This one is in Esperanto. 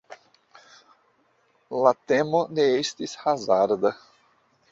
La temo ne estis hazarda.